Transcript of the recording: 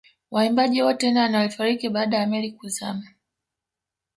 Waimbaji wote nane walifariki baada ya meli kuzama